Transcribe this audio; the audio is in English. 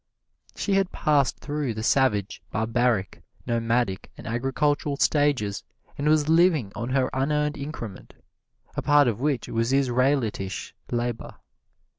She had passed through the savage, barbaric, nomadic and agricultural stages and was living on her unearned increment, a part of which was Israelitish labor.